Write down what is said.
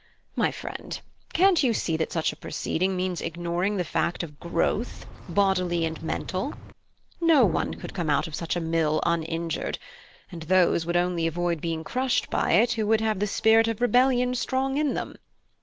My friend, can't you see that such a proceeding means ignoring the fact of growth, bodily and mental? No one could come out of such a mill uninjured; and those only would avoid being crushed by it who would have the spirit of rebellion strong in them.